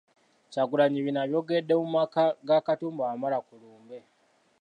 Kyagulanyi bino abyogeredde mu maka ga Katumba Wamala ku lumbe .